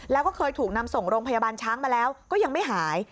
แล้วก็เคยถูกนำส่งโรงพยาบาลช้างมาแล้วก็ยังไม่หาย